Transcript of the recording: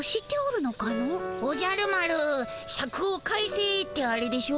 「おじゃる丸シャクを返せ」ってあれでしょ？